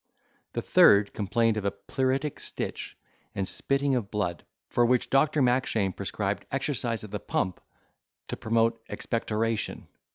The third complained of a pleuritic stitch, and spitting of blood, for which Doctor Mackshane prescribed exercise at the pump to promote expectoration!